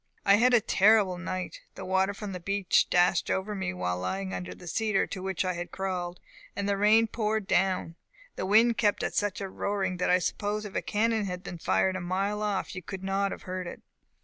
"I had a terrible night. The water from the beach dashed over me while lying under the cedar tree to which I had crawled, and the rain poured down. The wind kept such a roaring that I suppose if a cannon had been fired a mile off you could not have heard it.